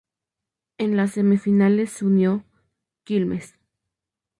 En las semifinales se unió Quilmes.